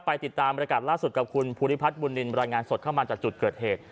ติดตามบริการล่าสุดกับคุณภูริพัฒน์บุญนินบรรยายงานสดเข้ามาจากจุดเกิดเหตุ